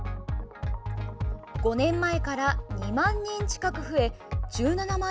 ５年前から２万人近く増え１７万